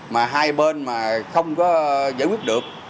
mà hai bên mà không có giải quyết được